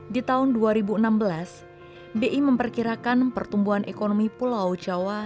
di tahun dua ribu enam belas bi memperkirakan pertumbuhan ekonomi pulau jawa